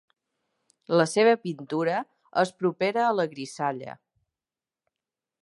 La seva pintura és propera a la grisalla.